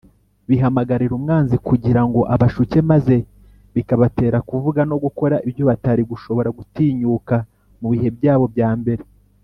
bihamagarira umwanzi kugira ngo abashuke, maze bikabatera kuvuga no gukora ibyo batari gushobora gutinyuka mu bihe byabo bya mbere